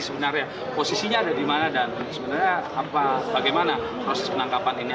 sebenarnya posisinya ada dimana dan sebenarnya apa bagaimana proses penangkap tangan ini